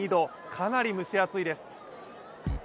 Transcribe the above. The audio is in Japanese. かなり蒸し暑いです。